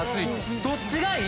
どっちがいい？